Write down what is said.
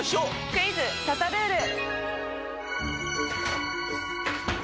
クイズ刺さルール！